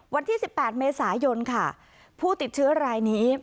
วันที่๑๘เมษายนค่ะผู้ติดเชื้อรายนี้